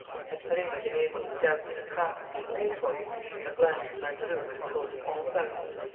Had Perenna been able to doubt that a trap was being laid for him, a glance at Mazeroux would have told him all about it.